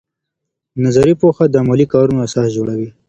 نظري پوهه د عملي کارونو اساس جوړوي.